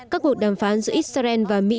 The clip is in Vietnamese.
các cuộc đàm phán giữa israel và mỹ